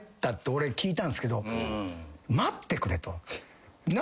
俺聞いたんすけど待ってくれと。